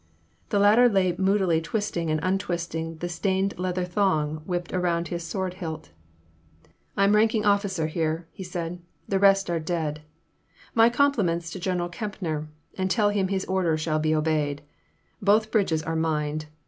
The latter lay moodily twist ing and untwisting the stained leather thong whipped about his sword hilt. " I 'm ranking officer here," he said, the rest are dead. My compliments to General Kempner, and tell him his orders shall be obeyed. Both bridges are mined.